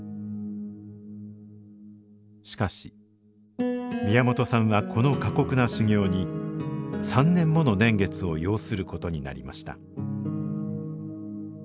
しかし宮本さんはこの過酷な修行に３年もの年月を要することになりました